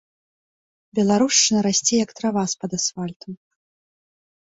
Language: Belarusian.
Беларушчына расце як трава з-пад асфальту.